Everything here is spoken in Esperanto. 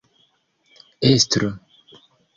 estro